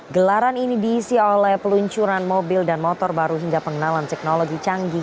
gelaran ini diisi oleh peluncuran mobil dan motor baru hingga pengenalan teknologi canggih